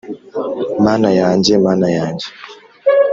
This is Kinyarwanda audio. Mana yanjye Mana yanjye